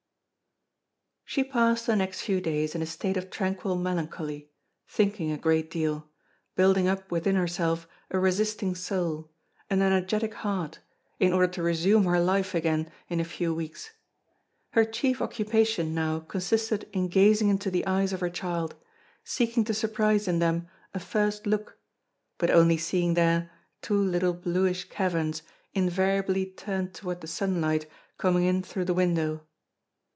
She passed the next few days in a state of tranquil melancholy, thinking a great deal, building up within herself a resisting soul, an energetic heart, in order to resume her life again in a few weeks. Her chief occupation now consisted in gazing into the eyes of her child, seeking to surprise in them a first look, but only seeing there two little bluish caverns invariably turned toward the sunlight coming in through the window.